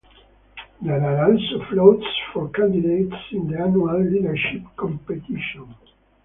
There are also floats for candidates in the annual Leadership Competition.